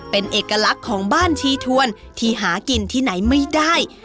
เป็นเอกลักษณ์ของบ้านชีทวนที่หากินที่ไหนไม่ได้